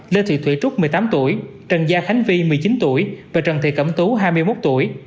lê thị thủy trúc một mươi tám tuổi trần gia khánh vi một mươi chín tuổi và trần thị cẩm tú hai mươi một tuổi